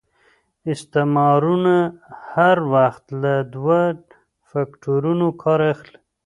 استعمارونه هر وخت له دوه فکټورنو کار اخلي.